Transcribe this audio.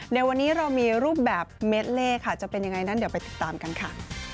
ในวันนี้เรามีรูปแบบเมดเล่ค่ะจะเป็นยังไงนั้นเดี๋ยวไปติดตามกันค่ะ